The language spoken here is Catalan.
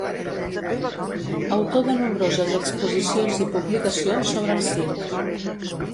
Autor de nombroses exposicions i publicacions sobre el circ.